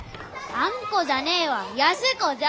あんこじゃねえわ安子じゃ。